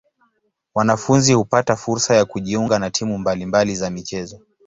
Wanafunzi hupata fursa ya kujiunga na timu mbali mbali za michezo.